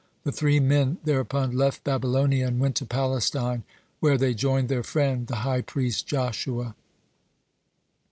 The three men thereupon left Babylonia and went to Palestine, where they joined their friend, the high priest Joshua.